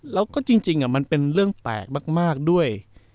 แล้วก็จริงมันเป็นเรื่องแปลกมากด้วย